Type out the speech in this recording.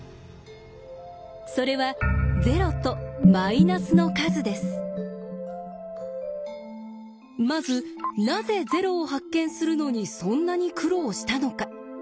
それはまずなぜ０を発見するのにそんなに苦労したのか。